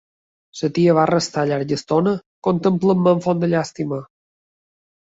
La tia va restar llarga estona contemplant-me amb fonda llàstima